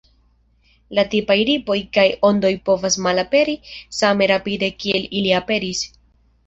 La tipaj ripoj kaj ondoj povas malaperi same rapide kiel ili aperis.